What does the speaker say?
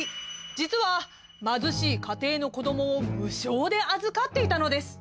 実は貧しい家庭の子どもを無償で預かっていたのです。